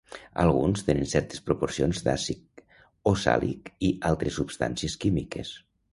Alguns tenen certes proporcions d'àcid oxàlic i d'altres substàncies químiques.